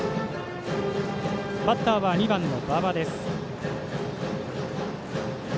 バッターは２番の馬場です。